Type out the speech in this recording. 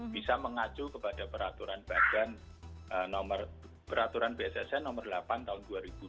bisa mengacu kepada peraturan badan nomor peraturan bssn nomor delapan tahun dua ribu dua puluh